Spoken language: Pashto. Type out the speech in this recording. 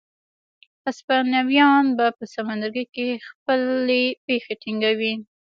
هسپانویان به په سمندرګي کې خپلې پښې ټینګوي.